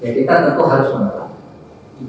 kita tentu harus menolak